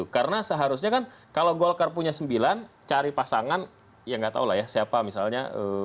karena seharusnya kan kalau golkar punya sembilan cari pasangan ya nggak tahu lah ya siapa misalnya